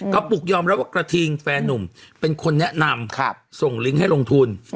ปุกยอมรับว่ากระทิงแฟนนุ่มเป็นคนแนะนำส่งลิงก์ให้ลงทุน